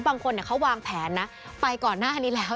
บางคนเขาวางแผนนะไปก่อนหน้านี้แล้ว